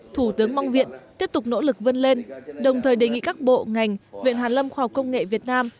thủ tướng mong viện tiếp tục nỗ lực vươn lên đồng thời đề nghị các bộ ngành viện hàn lâm khoa học công nghệ việt nam